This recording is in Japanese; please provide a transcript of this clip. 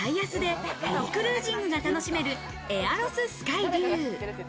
都内最安でエアクルージングが楽しめるエアロススカイビュー。